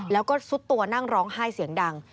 แล้วก็ซุดตัวนั่งร้องไห้เสียงดัง